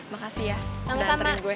makasih ya udah antara gue